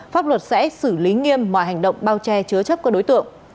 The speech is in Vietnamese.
pháp luật sẽ xử lý nghiêm mọi hành động bao che chứa chấp các đối tượng